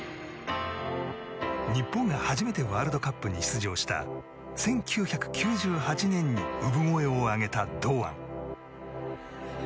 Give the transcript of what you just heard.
日本が初めてワールドカップに出場した１９９８年に産声を上げた堂安。